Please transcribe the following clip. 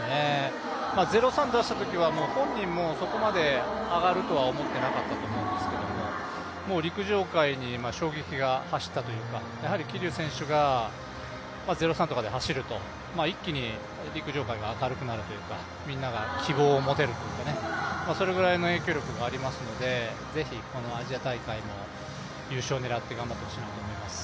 ０３出したときは、本人もそこまで上がるとは思ってなかったと思うんですがもう陸上界に衝撃が走ったというかやはり、桐生選手が０３とかで走ると一気に陸上界が明るくなるというかみんなが希望を持てるというかそれぐらいの影響力がありますのでぜひアジア大会も優勝を狙って頑張ってほしいなと思います。